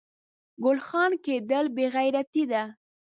ګل خان کیدل بې غیرتي ده